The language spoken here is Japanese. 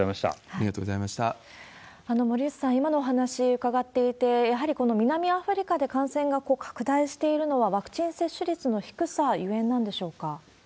森内さん、今のお話伺っていて、やはりこの南アフリカで感染が拡大しているのは、ワクチン接種率の低さゆえなんでしょうか。